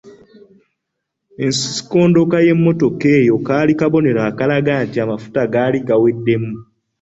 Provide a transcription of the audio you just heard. Ensikondoka y’emmotoka eyo kaali kabonero akalaga nti amafuta gaali gaweddemu.